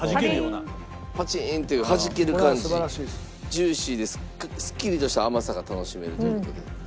ジューシーですっきりとした甘さが楽しめるという事で。